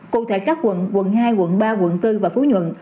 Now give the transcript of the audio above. cụ thể các quận quận hai quận ba quận bốn và phú nhuận